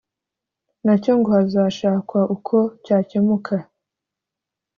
na cyo ngo hazashakwa uko cyakemuka